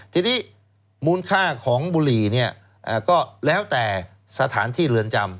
ทีนี้มูลค่าของบุหรี่เนี่ยก็แล้วแต่สถานที่เรือนจำ